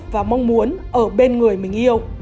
và mong muốn ở bên người mình yêu